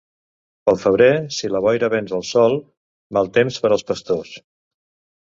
Pel febrer, si la boira venç el sol, mal temps per als pastors.